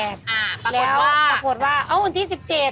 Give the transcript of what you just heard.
อ่าปรากฏว่าแล้วปรากฏว่าเอ้าวันที่สิบเจ็ด